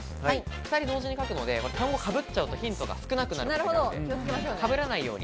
２人同時に書くので単語がかぶっちゃうとヒントが少なくなるので、かぶらないように。